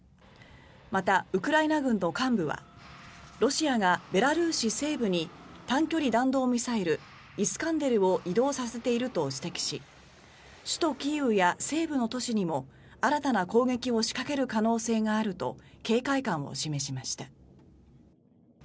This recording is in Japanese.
また、ウクライナ軍の幹部はロシアがベラルーシ西部に短距離弾道ミサイルイスカンデルを移動させていると指摘し首都キーウや西部の都市にも新たな攻撃を仕掛ける可能性があると警戒感を示しました。